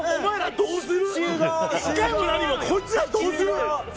どうする？